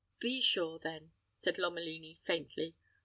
"Be sure, then," said Lomelini, faintly.